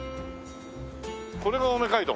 これが青梅街道？